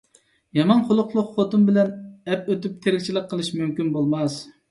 يامان خۇلقلۇق خوتۇن بىلەن ئەپ ئۆتۈپ تىرىكچىلىك قىلىش مۇمكىن بولماس!